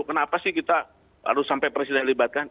kenapa sih kita harus sampai presiden yang dilibatkan